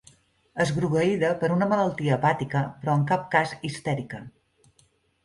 Esgrogueïda per una malaltia hepàtica, però en cap cas histèrica.